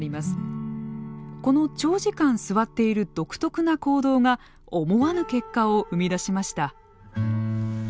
この長時間座っている独特な行動が思わぬ結果を生み出しました。